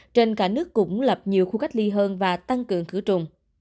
trên cả nước cũng lập nhiều khu cách ly hơn và tăng cường khử trùng